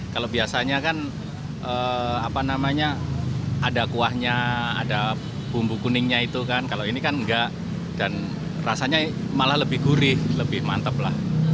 kalau biasanya kan apa namanya ada kuahnya ada bumbu kuningnya itu kan kalau ini kan enggak dan rasanya malah lebih gurih lebih mantep lah